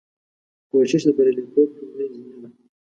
کوشش د بریالیتوب لومړۍ زینه ده.